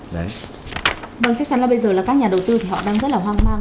vâng chắc chắn là bây giờ là các nhà đầu tư thì họ đang rất là hoang mang